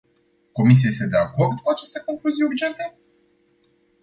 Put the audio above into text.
Comisia este de acord cu aceste concluzii urgente?